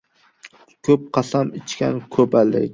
• Ko‘p qasam ichgan ko‘p aldaydi.